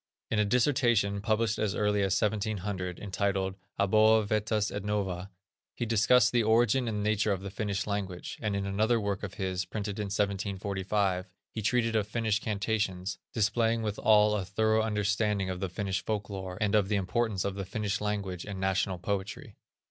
In a dissertation, published as early as 1700, entitled, Aboa vetus et nova, he discussed the origin and nature of the Finnish language; and in another work of his, printed in 1745, he treated of Finnish incantations, displaying withal a thorough understanding of the Finnish folk lore, and of the importance of the Finnish language and national poetry.